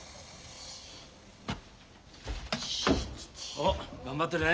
おっ頑張ってるね